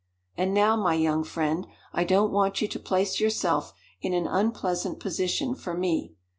And now, my young friend, I don't want you to place yourself in an unpleasant position for me.